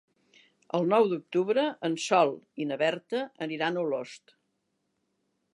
El nou d'octubre en Sol i na Berta aniran a Olost.